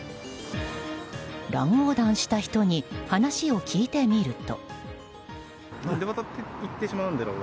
乱横断した人に話を聞いてみると。